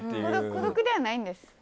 孤独ではないんです。